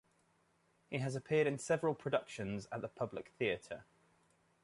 He has appeared in several productions at the Public Theater.